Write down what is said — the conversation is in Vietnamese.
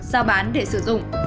giao bán để sử dụng